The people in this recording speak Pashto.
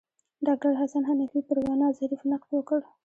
ډاکتر حسن حنفي پر وینا ظریف نقد وکړ.